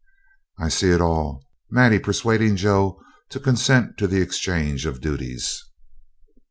I see it all. Maddie persuading Joe to consent to the exchange of duties.'